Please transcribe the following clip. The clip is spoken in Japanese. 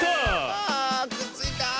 あくっついた！